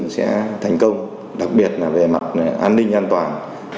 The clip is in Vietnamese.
sẽ thành công đặc biệt là về mặt an ninh an toàn